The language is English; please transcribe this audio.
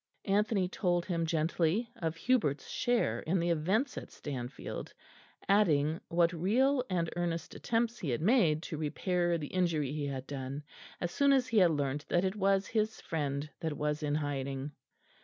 Anthony told him gently of Hubert's share in the events at Stanfield, adding what real and earnest attempts he had made to repair the injury he had done as soon as he had learnt that it was his friend that was in hiding.